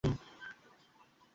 তোরা এখনে কি করছিস?